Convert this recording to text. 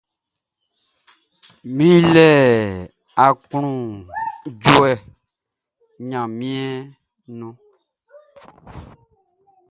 Mi le akloundjouê oh Gnanmien nou.